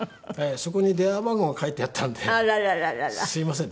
そこに電話番号が書いてあったんですみません